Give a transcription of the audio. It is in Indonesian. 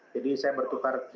jadi saya bertukar bertukar